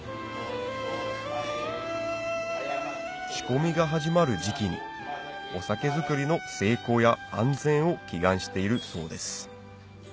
仕込みが始まる時期にお酒造りの成功や安全を祈願しているそうです